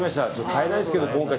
買えないですけど、今回。